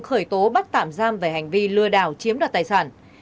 khởi tố bắt tạm giam về hành vi lừa đảo chiếm đoạt tài sản